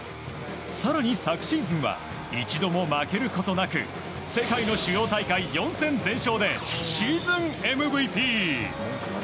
更に昨シーズンは一度も負けることなく世界の主要大会４戦全勝でシーズンＭＶＰ。